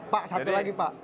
pak satu lagi pak